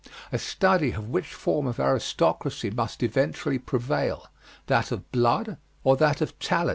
A study of which form of aristocracy must eventually prevail, that of blood or that of talent.